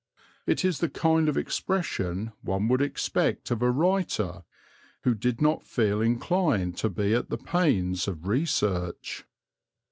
It is the kind of expression one would expect of a writer who did not feel inclined to be at the pains of research.